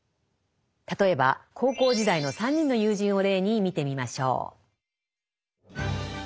例えば高校時代の３人の友人を例に見てみましょう。